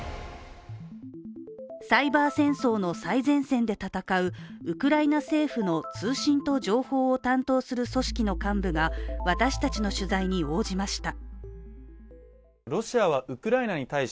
サイバー戦争の最前線で戦うウクライナ政府の通信と情報を担当する組織の幹部が、私たちの取材に応じました。